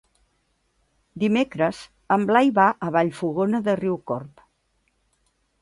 Dimecres en Blai va a Vallfogona de Riucorb.